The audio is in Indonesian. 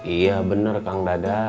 iya bener kang dadang